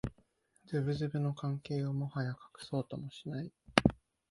ズブズブの関係をもはや隠そうともしない